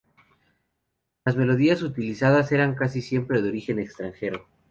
Las melodías utilizadas eran casi siempre de origen extranjero.